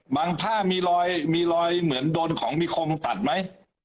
ผ้ามีรอยมีรอยเหมือนโดนของมีคมตัดไหม